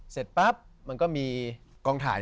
เสร็จปั๊บมันก็มีกองถ่าย